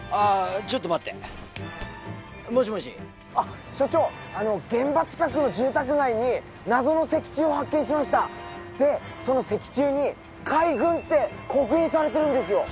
ちょっと待ってもしもしあ所長現場近くの住宅街に謎の石柱を発見しましたでその石柱に「海軍」って刻印されてるんですよ